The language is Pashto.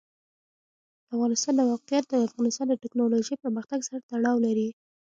د افغانستان د موقعیت د افغانستان د تکنالوژۍ پرمختګ سره تړاو لري.